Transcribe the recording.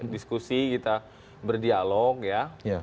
diskusi kita berdialog ya